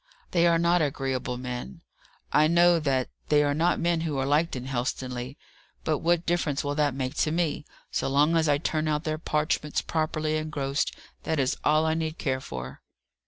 "They are not agreeable men; I know that; they are not men who are liked in Helstonleigh, but what difference will that make to me? So long as I turn out their parchments properly engrossed, that is all I need care for."